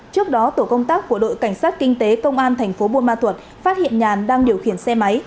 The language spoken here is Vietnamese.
trước đó tổ công tác của đội cảnh sát kinh tế công an thành phố buôn ma thuật phát hiện nhàn đang điều khiển xe máy